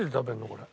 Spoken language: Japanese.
これ。